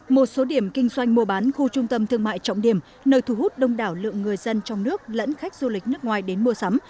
một số điểm kinh doanh mua bán khu trung tâm thương mại trọng điểm nơi thu hút đông đảo lượng người dân trong nước lẫn khách du lịch nước ngoài đến mua sắm